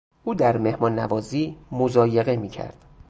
او در مهمان نوازی مضایقه میکرد.